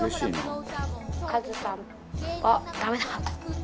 「カズさん」あっダメだ。